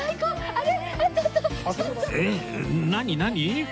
あれ？